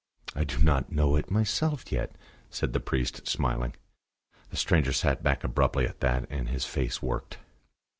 "I do not know it myself yet," said the priest, smiling. The stranger sat back abruptly at that, and his face worked.